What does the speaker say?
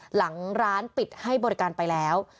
หลังร้านปิดให้บริการไปแล้ว